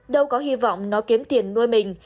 đâu có hy vọng nó kiếm tiền nuôi mình